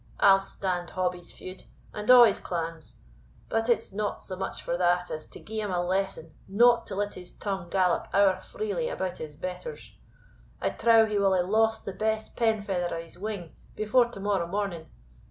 I'll stand Hobbie's feud, and a' his clan's. But it's not so much for that, as to gie him a lesson not to let his tongue gallop ower freely about his betters. I trow he will hae lost the best pen feather o' his wing before to morrow morning.